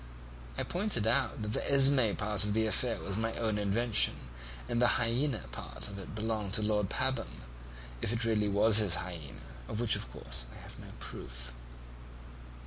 I pointed out that the Esmé part of the affair was my own invention, and the hyaena part of it belonged to Lord Pabham, if it really was his hyaena, of which, of course, I've no proof."